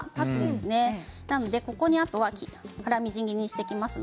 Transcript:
ですので、あとは粗みじん切りにしていきます。